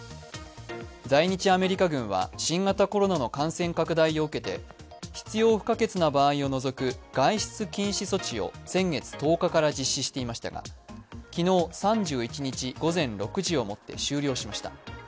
在日アメリカ軍は新型コロナの感染拡大を受けて必要不可欠な場合を除く外出禁止措置を先月１０日から実施していましたが昨日３１日午前６時をもって終了しました。